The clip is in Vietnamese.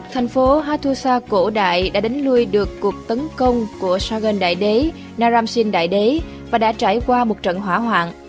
thành phố hattusa cổ đại đã đánh lưui được cuộc tấn công của sargon đại đế naramshin đại đế và đã trải qua một trận hỏa hoạn